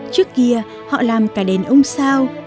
trước kia họ làm cả đèn ông sao